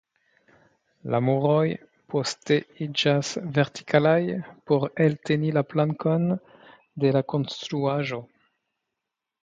La muroj poste iĝas vertikalaj por elteni la plankon de la konstruaĵo.